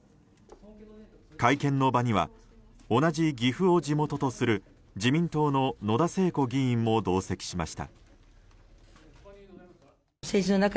会見の場には同じ岐阜を地元とする自民党の野田聖子議員も同席しました。